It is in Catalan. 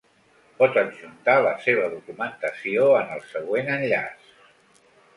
Pot adjuntar la seva documentació en el següent enllaç:.